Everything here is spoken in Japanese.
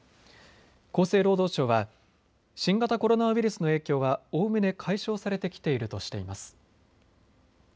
厚生労働省は新型コロナウイルスの影響はおおむね解消されてきているとしています。